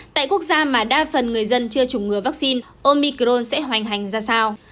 tại quốc gia mà đa phần người dân chưa chủng ngừa vaccine omicron sẽ hoành hành ra sao